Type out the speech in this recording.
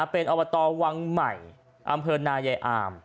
เป็นอบตวังใหม่อำเภอนายายอาม